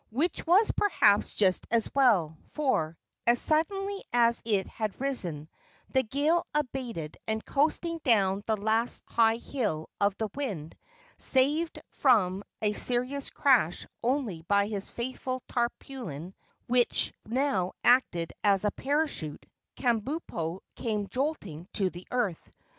Which was perhaps just as well, for, as suddenly as it had risen, the gale abated and, coasting down the last high hill of the wind, saved from a serious crash only by his faithful tarpaulin, which now acted as a parachute, Kabumpo came jolting to earth.